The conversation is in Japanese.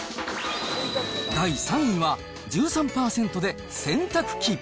第３位は１３％で洗濯機。